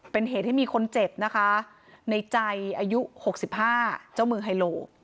เป็นเหตุให้มีคนเจ็บนะคะในใจอายุ๖๕เจ้ามือไฮโล